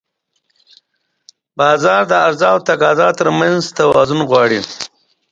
بازار د عرضه او تقاضا ترمنځ توازن غواړي.